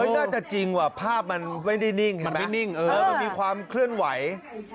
น่าจะจริงว่ะภาพมันไม่ได้นิ่งมันไม่นิ่งมันมีความเคลื่อนไหว